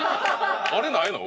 あれないの？